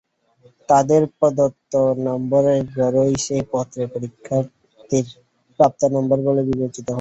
তাঁদের প্রদত্ত নম্বরের গড়ই সে পত্রে পরীক্ষার্থীর প্রাপ্ত নম্বর বলে বিবেচিত হবে।